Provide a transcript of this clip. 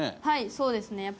はいそうですね。